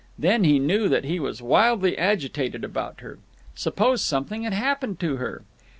Then he knew that he was wildly agitated about her. Suppose something had happened to her!